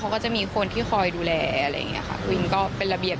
มันอาจจะเกือบร้อนนิดหน่อยแต่ว่าเราก็ต้องปรับตัว